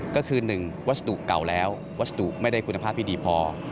ก็คือ๑วัสดุเก่าแล้ววัสดุไม่ได้คุณภาพที่ดีพอ